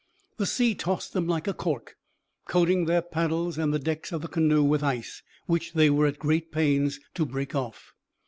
The sea tossed them like a cork, coating their paddles and the decks of the canoe with ice, which they were at great pains to break off.